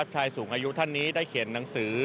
ชายสูงอายุท่านนี้ได้เขียนหนังสือ